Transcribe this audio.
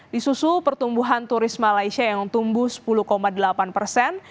disusul pertumbuhan turis malaysia yang tumbuh sepuluh delapan persen